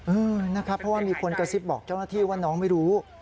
นะครับเพราะว่ามีคนกระซิบบอกเจ้าหน้าที่ว่าน้องไม่รู้